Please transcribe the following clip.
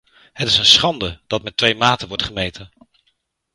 Het is een schande dat met twee maten wordt gemeten.